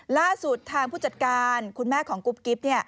ล่าสุดทางผู้จัดการคุณแม่ของกุ๊บกิ๊บ